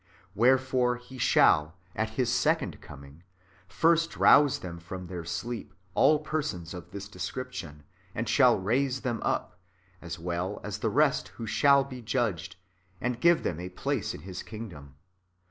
Wherefore He shall, at His second coming, first rouse from their sleep all persons of this description, and shall raise them up, as well as the rest who shall be judged, and give them a place in His kingdom.